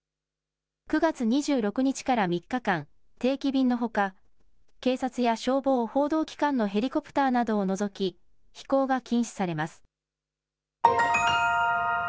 ９月２６日から３日間、定期便のほか、警察や消防、報道機関のヘリコプターなどを除き飛行が禁止されます。